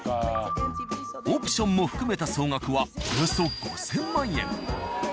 オプションも含めた総額はおよそ５０００万円。